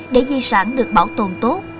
để di sản được bảo tồn tốt